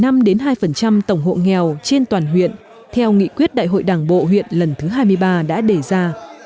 năm hai nghìn một mươi tám địa phương phấn đấu giảm từ một năm đến hai tổng hộ nghèo trên toàn huyện theo nghị quyết đại hội đảng bộ huyện lần thứ hai mươi ba đã đề ra